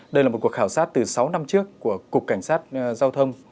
đây là một cuộc khảo sát từ sáu năm trước của cục cảnh sát giao thông